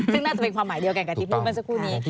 ซึ่งน่าจะเป็นความหมายเดียวกันกับที่พูดเมื่อสักครู่นี้